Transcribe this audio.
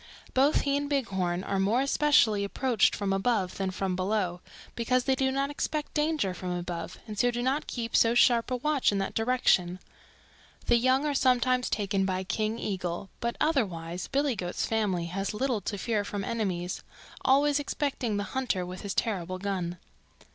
Both he and Bighorn are more easily approached from above than from below, because they do not expect danger from above and so do not keep so sharp a watch in that direction. The young are sometimes taken by King Eagle, but otherwise Billy Goat's family has little to fear from enemies, always excepting the hunter with his terrible gun.